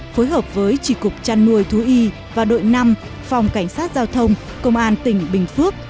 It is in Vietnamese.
phối hợp với chỉ cục trăn nuôi thú y và đội năm phòng cảnh sát giao thông công an tỉnh bình phước